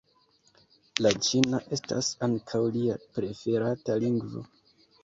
La ĉina estas ankaŭ lia preferata lingvo.